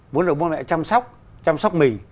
muốn được bố mẹ chăm sóc chăm sóc mình